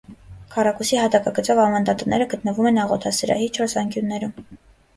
Քառակուսի հատակագծով ավանդատները գտնվում են աղոթասրահի չորս անկյուններում։